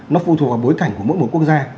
nó phụ thuộc vào bối cảnh của mỗi một quốc gia